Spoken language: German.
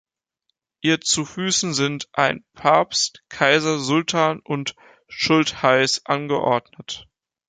Ihr zu Füssen sind ein Papst, Kaiser, Sultan und Schultheiss angeordnet.